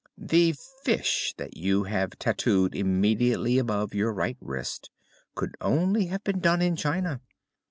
"The fish that you have tattooed immediately above your right wrist could only have been done in China.